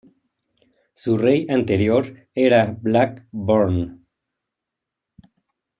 Su rey anterior era Black Burn.